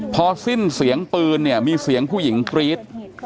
พอสิ้นเสียงปืนเนี่ยมีเสียงผู้หญิงกรี๊ด